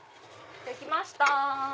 できました！